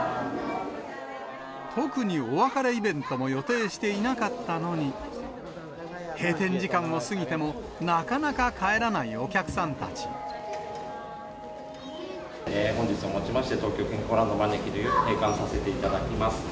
特にお別れイベントも予定していなかったのに、閉店時間を過ぎても、なかなか帰らないお客さ本日をもちまして、東京健康ランドまねきを閉館させていただきます。